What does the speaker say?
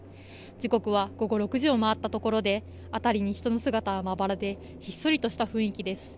時刻は午後６時を回ったところで辺りに人の姿はまばらでひっそりとした雰囲気です。